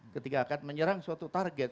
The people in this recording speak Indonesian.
ketika akan menyerang suatu target